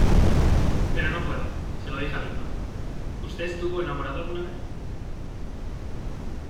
pero no puedo. se lo dije a Vilma .¿ usted estuvo enamorado alguna vez?